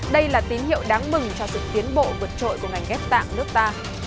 đây là tín hiệu đáng mừng cho sự tiến bộ vượt trội của ngành ghép tạng nước ta